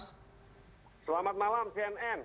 selamat malam cnn